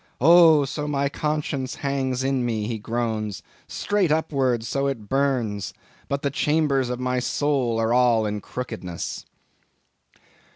'Oh! so my conscience hangs in me!' he groans, 'straight upwards, so it burns; but the chambers of my soul are all in crookedness!